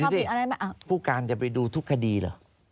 ผู้การจะไปดูทุกคดีเหรอ